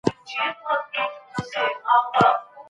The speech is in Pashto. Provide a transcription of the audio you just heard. په ټولنه کي باید د سپین ږیرو احترام او قدر وسي.